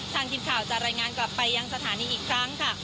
ทีมข่าวจะรายงานกลับไปยังสถานีอีกครั้งค่ะ